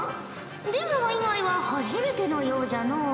出川以外は初めてのようじゃのう。